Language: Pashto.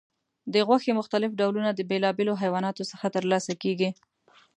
د غوښې مختلف ډولونه د بیلابیلو حیواناتو څخه ترلاسه کېږي.